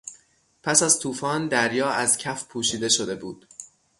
پس از توفان دریا از کف پوشیده شده بود.